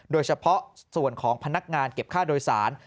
โดยเฉพาะส่วนของพนักงานเก็บค่าโดยสาร